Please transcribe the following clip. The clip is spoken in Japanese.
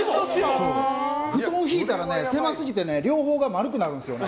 布団を敷いたら狭すぎて両頬が丸くなるんですよね。